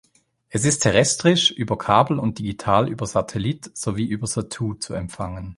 Es ist terrestrisch, über Kabel und digital über Satellit, sowie über Zattoo zu empfangen.